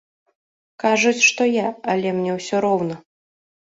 Кажуць, што я, але мне ўсё роўна.